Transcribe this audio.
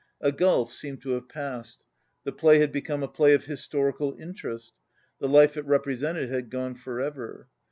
A gulf seemed to have passed. The play had become a play of historical interest; the life it represented had gone for ever.